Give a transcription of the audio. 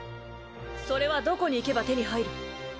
それはどこに行けば手に入る？